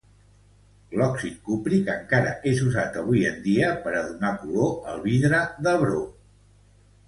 L'òxid cúpric encara és usat avui en dia per a donar color al vidre d'Hebron.